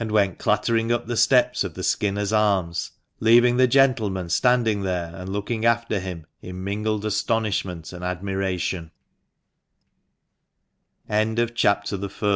9 went clattering up the steps of the " Skinners' Arms," leaving the gentleman standing there, and looking after him in mingled astonishment and admir